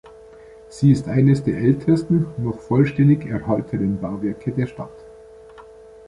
Sie ist eines der ältesten noch vollständig erhaltenen Bauwerke der Stadt.